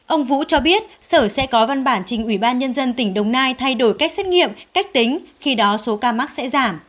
ông vũ cho biết sở sẽ có văn bản trình ủy ban nhân dân tỉnh đồng nai thay đổi cách xét nghiệm cách tính khi đó số ca mắc sẽ giảm